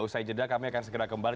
usai jeda kami akan segera kembali